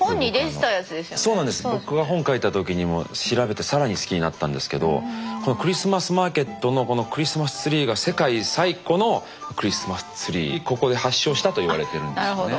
僕が本書いた時にも調べて更に好きになったんですけどこのクリスマスマーケットのクリスマスツリーがここで発祥したといわれてるんですよね。